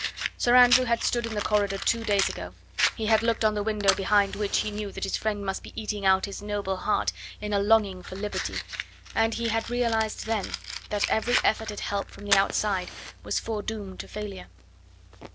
Sir Andrew had stood in the corridor two days ago, he had looked on the window behind which he knew that his friend must be eating out his noble heart in a longing for liberty, and he had realised then that every effort at help from the outside was foredoomed to failure.